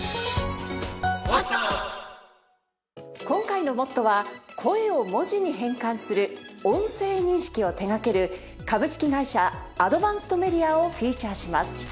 今回の『ＭＯＴＴＯ！！』は声を文字に変換する音声認識を手掛ける株式会社アドバンスト・メディアをフィーチャーします。